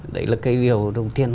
đấy là cái điều đầu tiên